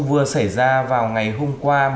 vừa xảy ra vào ngày hôm qua